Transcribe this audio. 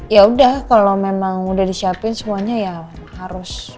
ya udah kalau memang udah disiapin semuanya ya harus